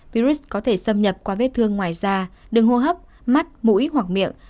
virus có thể xâm nhập qua vết thương ngoài da đường hô hấp mắt mũi hoặc miệng